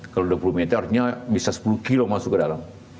kalau dua puluh meter artinya bisa sepuluh kilo masuk ke dalam